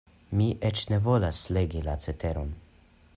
Mi eĉ ne volas legi la ceteron.